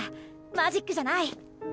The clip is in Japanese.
マジックじゃない。